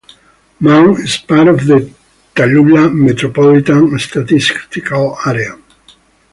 Mound is part of the Tallulah Micropolitan Statistical Area.